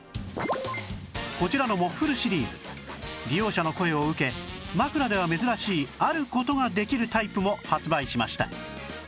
こちらの Ｍｏｆｆｌｅ シリーズ利用者の声を受け枕では珍しいある事ができるタイプも発売しました